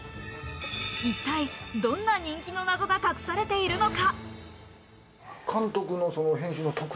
一体どんな人気のナゾが隠されているのか？